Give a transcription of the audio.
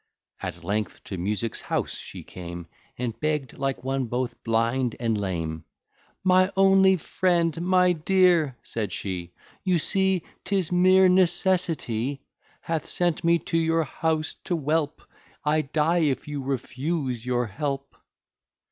At length to Music's house she came, And begg'd like one both blind and lame; "My only friend, my dear," said she, "You see 'tis mere necessity Hath sent me to your house to whelp: I die if you refuse your help."